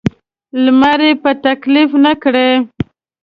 لمر یې په تکلیف نه کړي.